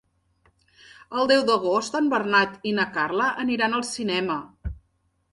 El deu d'agost en Bernat i na Carla aniran al cinema.